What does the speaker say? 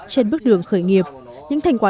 trên bước đường khởi nghiệp những thành quả